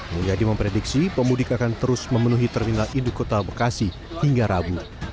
mulyadi memprediksi pemudik akan terus memenuhi terminal ibu kota bekasi hingga rabu